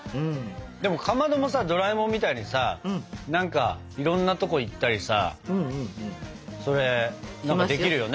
でもかまどもさドラえもんみたいにさ何かいろんなとこ行ったりさそれできるよね。